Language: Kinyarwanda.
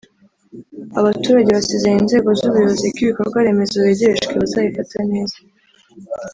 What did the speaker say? Abaturage basezeranya inzego z’ubuyobozi ko ibikorwa remezo begerejwe bazabifata neza